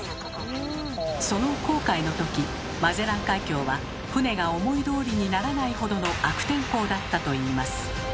その航海のときマゼラン海峡は船が思いどおりにならないほどの悪天候だったといいます。